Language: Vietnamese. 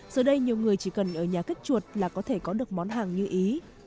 giờ đây nhiều người chỉ cần ở nhà cách chuột là có thể có được món hàng như ý